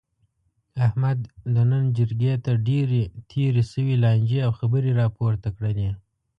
احمد د نن جرګې ته ډېرې تېرې شوې لانجې او خبرې را پورته کړلې.